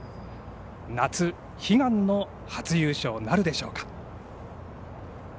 夏、悲願の初優勝なるでしょうか。